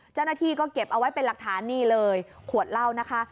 เจ้าหน้าที่ก็เก็บเอาไว้เป็นหลักฐานนี่เลยขวดเหล้านะคะ